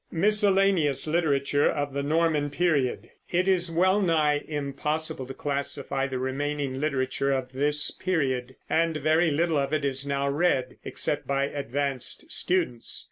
MISCELLANEOUS LITERATURE OF THE NORMAN PERIOD. It is well nigh impossible to classify the remaining literature of this period, and very little of it is now read, except by advanced students.